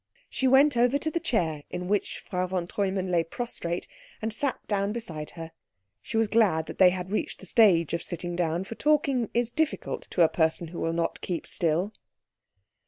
She went over to the chair in which Frau von Treumann lay prostrate, and sat down beside her. She was glad that they had reached the stage of sitting down, for talking is difficult to a person who will not keep still.